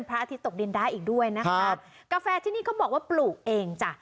อาทิตย์ตกดินได้อีกด้วยนะคะกาแฟที่นี่เขาบอกว่าปลูกเองจ้ะ